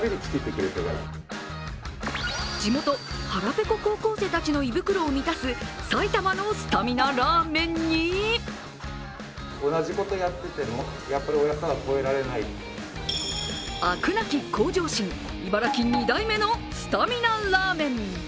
地元・腹ぺこ高校生たちの胃袋を満たす埼玉のスタミナラーメンにあくなき向上心、茨城２代目のスタミナラーメン。